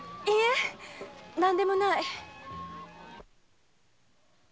いいえ何でもない。